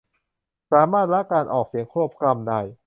สามารถละการออกเสียงควบกล้ำได้